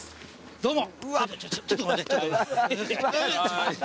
どうも。